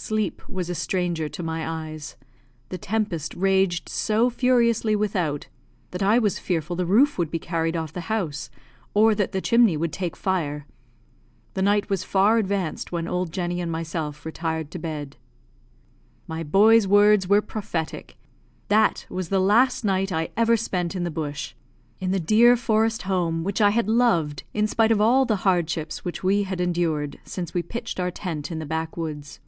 Sleep was a stranger to my eyes. The tempest raged so furiously without that I was fearful the roof would be carried off the house, or that the chimney would take fire. The night was far advanced when old Jenny and myself retired to bed. My boy's words were prophetic; that was the last night I ever spent in the bush in the dear forest home which I had loved in spite of all the hardships which we had endured since we pitched our tent in the backwoods.